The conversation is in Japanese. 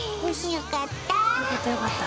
よかった！